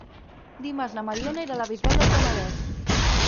Dimarts na Mariona irà a la Bisbal del Penedès.